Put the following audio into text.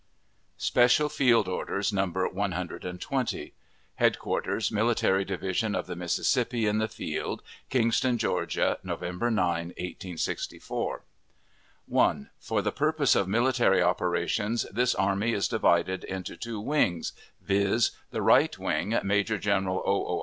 [Special Field Orders, No. 120.] HEADQUARTERS MILITARY DIVISION OF THE MISSISSIPPI IN THE FIELD, KINGSTON, GEORGIA, November 9, 1864 1. For the purpose of military operations, this army is divided into two wings viz.: The right wing, Major General O. O.